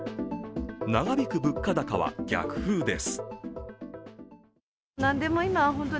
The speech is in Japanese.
長引く物価高は逆風です。